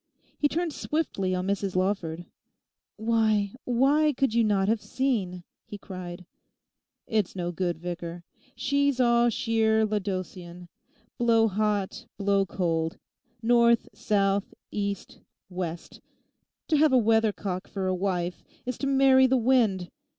He turned swiftly on Mrs Lawford. 'Why, why, could you not have seen?' he cried. 'It's no good, Vicar. She's all sheer Laodicean. Blow hot, blow cold. North, south, east, west—to have a weathercock for a wife is to marry the wind.